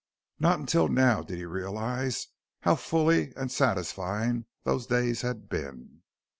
Not until now did he realize how full and satisfying those days had been.